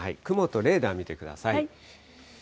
雲とレーダー見てください。